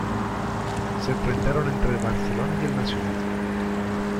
Se enfrentaron entre Barcelona y El Nacional.